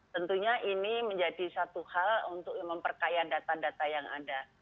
tentunya ini menjadi satu hal untuk memperkaya data data yang ada